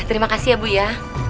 terima kasih ya bu ya